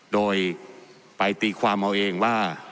โดยไปตีความเอาเองว่า